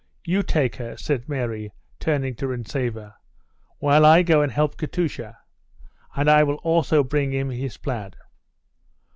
You take her," said Mary, turning to Rintzeva, "while I go and help Katusha, and I will also bring him his plaid."